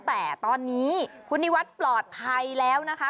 แต่ตอนนี้คุณนิวัฒน์ปลอดภัยแล้วนะคะ